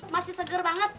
masih seger banget